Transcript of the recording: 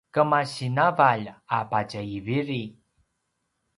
kemasi navalj a patje i viri